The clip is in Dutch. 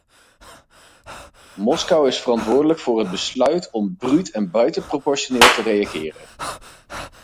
Moskou is verantwoordelijk voor het besluit om bruut en buitenproportioneel te reageren.